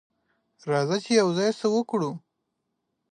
راځه چې یوځای څه وکړو.